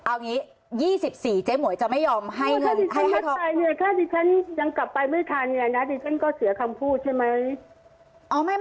เอาอย่างงี้ยี่สิบสี่เจ๊หมวยจะไม่ยอมให้เงินถ้าดิฉันยัดทายเนี่ยถ้าดิฉันยังกลับไปไม่ทานเงินนะดิฉันก็เสียคำพูดใช่ไหม